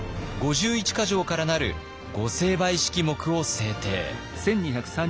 ５１か条からなる御成敗式目を制定。